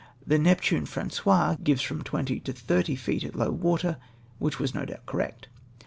The Neptune Francois gives from twenty to thirty feet at low water, which was no doubt correct.